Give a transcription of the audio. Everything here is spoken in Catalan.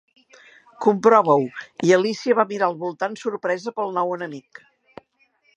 "Comprova-ho!" i Alícia va mirar al voltant sorpresa pel nou enemic.